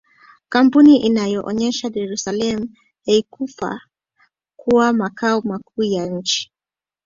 Kampuni hiyo ikaonesha Dar es salaam haikufaa kuwa makao makuu ya nchi